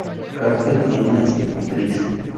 Carter y una institutriz.